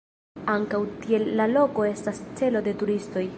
Ankaŭ tiel la loko estas celo de turistoj.